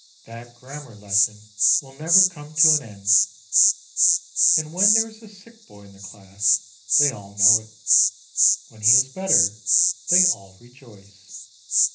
"That grammar lesson will never come to an end!" And when there is a sick boy in the class, they all know it; when he is better, they all rejoice.